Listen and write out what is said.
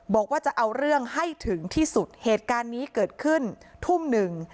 บอกว่าจะเอาเรื่องให้ถึงที่สุดเหตุการณ์นี้เกิดขึ้นทุ่มหนึ่ง